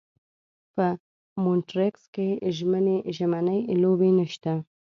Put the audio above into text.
په مونټریکس کې ژمنۍ لوبې نشته.